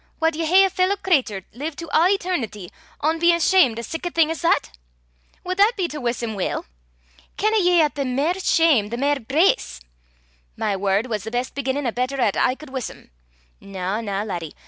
Wad ye hae a fellow cratur live to a' eternity ohn bein ashamed o' sic a thing 's that? Wad that be to wuss him weel? Kenna ye 'at the mair shame the mair grace? My word was the best beginnin' o' better 'at I cud wuss him. Na, na, laddie!